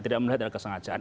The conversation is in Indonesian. tidak melihat ada kesengajaan